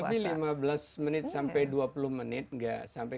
tapi lima belas menit sampai dua puluh menit nggak sampai